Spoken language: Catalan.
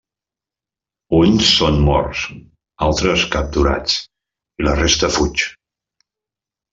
Uns són morts, altres capturats i la resta fuig.